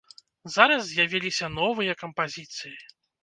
Зараз з'явіліся новыя кампазіцыі.